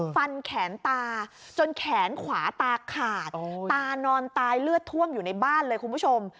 ฟันแขนตาจนแขนขวาตาขาดตานอนตายเลือดท่วมอยู่ในบ้านเลยคุณผู้ชม